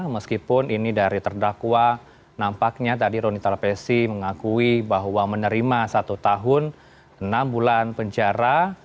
meskipun ini dari terdakwa nampaknya tadi roni talapesi mengakui bahwa menerima satu tahun enam bulan penjara